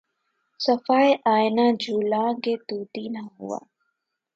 صفحۂ آئنہ جولاں گہ طوطی نہ ہوا